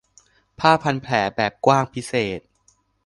ผ้าพันแผลแบบกว้างพิเศษ